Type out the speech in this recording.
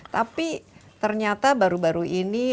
tapi ternyata baru baru ini